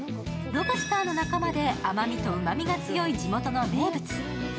ロブスターの仲間で甘みとうまみが強い地元の名物。